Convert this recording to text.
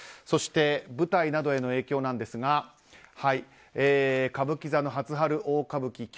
そして、舞台などへの影響なんですが歌舞伎座の「壽初春大歌舞伎」